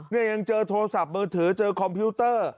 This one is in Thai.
เนี่ยยังเจอโทรศัพท์มือถือเจอคอมพิวเตอร์